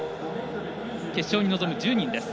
決勝に臨む１０人です。